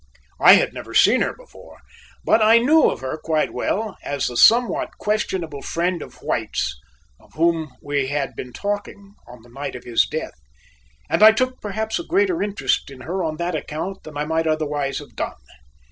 I had never seen her before, but I knew of her quite well as the somewhat questionable friend of White's of whom we had been talking on the night of his death, and I took perhaps a greater interest in her on that account than I might otherwise have done.